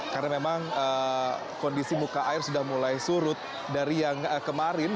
karena memang kondisi muka air sudah mulai surut dari yang kemarin